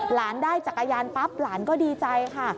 หลานได้จักรยานปั๊บหลานก็ดีใจค่ะ